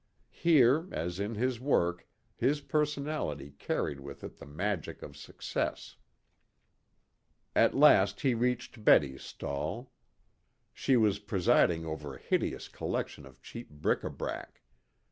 Here, as in his work, his personality carried with it the magic of success. At last he reached Betty's stall. She was presiding over a hideous collection of cheap bric à brac.